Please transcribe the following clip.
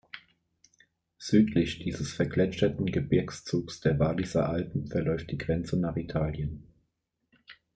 Südlich dieses vergletscherten Gebirgszugs der Walliser Alpen verläuft die Grenze nach Italien.